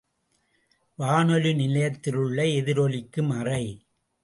வானொலி நிலையத்திலுள்ள எதிரொலிக்கும் அறை.